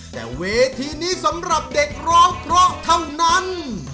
แต่เวทีนี้สำหรับเด็กร้องเพราะเท่านั้น